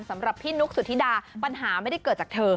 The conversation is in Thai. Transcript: สำหรับพี่นุ๊กสุธิดาปัญหาไม่ได้เกิดจากเธอ